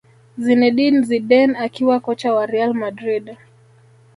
zinedine zidane akiwa kocha wa real madrid